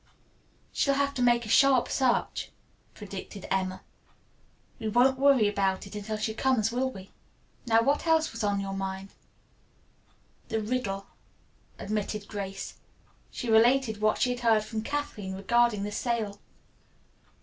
"She'll have to make a sharp search," predicted Emma. "We won't worry about it until she comes, will we? Now, what else is on your mind?" "The Riddle," admitted Grace. She related what she had heard from Kathleen regarding the sale.